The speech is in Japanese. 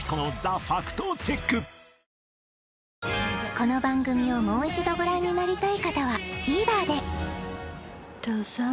この番組をもう一度ご覧になりたい方はＴＶｅｒでどうぞ。